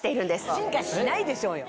進化しないでしょうよ。